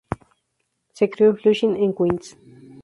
Se crio en Flushing en Queens.